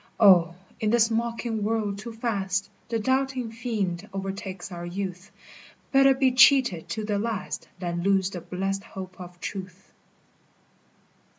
O, in this mocking world too fast The doubting fiend o'ertakes our youth; Better be cheated to the last Than lose the blessed hope of truth.